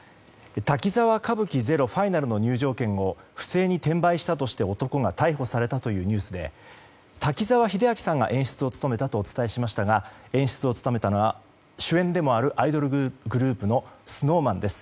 「滝沢歌舞伎ＺＥＲＯＦＩＮＡＬ」の入場券を不正に転売したとして男が逮捕されたというニュースで滝沢秀明さんが演出を務めたとお伝えしましたが演出を務めたのは、主演でもあるアイドルグループのＳｎｏｗＭａｎです。